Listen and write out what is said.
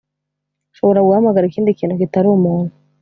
Ushobora guhamagara ikindi kintu kitari umuntu